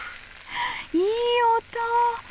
いい音！